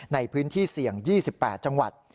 ในพื้นที่เสี่ยง๒๘จังหวัด